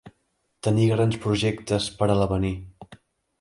Tenir grans projectes per a l'avenir.